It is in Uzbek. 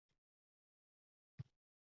Endi bu yog‘iga sabrimam, bardoshimam tugadi